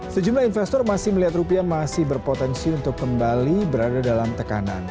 sejumlah investor masih melihat rupiah masih berpotensi untuk kembali berada dalam tekanan